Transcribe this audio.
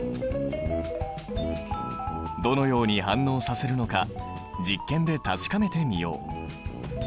どのように反応させるのか実験で確かめてみよう。